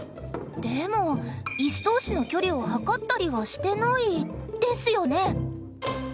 でもイス同士の距離を測ったりはしてないですよね？